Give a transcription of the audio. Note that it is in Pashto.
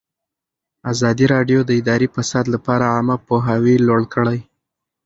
ازادي راډیو د اداري فساد لپاره عامه پوهاوي لوړ کړی.